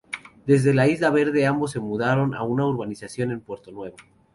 Desde Isla Verde ambos se mudaron a una urbanización en Puerto Nuevo.